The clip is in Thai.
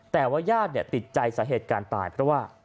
แต่ว่าญาติติดใจสาเหตุการณ์ตายเพราะว่า